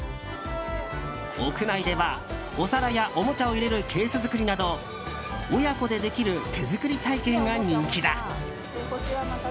屋内では、お皿やおもちゃを入れるケース作りなど親子でできる手作り体験が人気だ。